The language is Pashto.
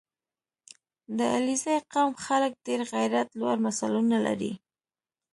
• د علیزي قوم خلک د غیرت لوړ مثالونه لري.